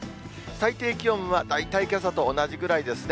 最低気温は大体けさと同じぐらいですね。